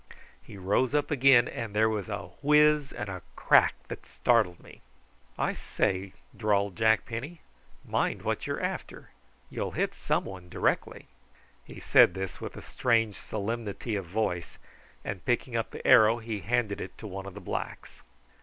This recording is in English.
He rose up again, and there was a whizz and a crack that startled me. "I say," drawled Jack Penny, "mind what you're after. You'll hit some one directly." He said this with a strange solemnity of voice, and picking up the arrow he handed it to one of the blacks.